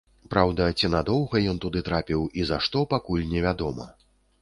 Праўда, ці надоўга ён туды трапіў і за што, пакуль невядома.